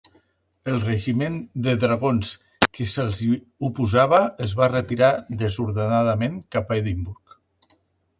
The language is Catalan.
El regiment de dragons que se'ls hi oposava es va retirar desordenadament cap a Edimburg.